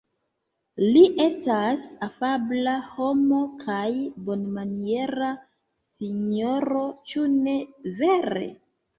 Li estas afabla homo kaj bonmaniera sinjoro, ĉu ne vere?